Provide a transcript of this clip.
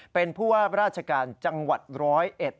เป็นผู้ว่าราชการจังหวัดร้อยเอ็ด